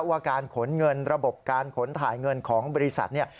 ว่าการขนเงินระบบการขนถ่ายเงินของบริษัทเนี่ย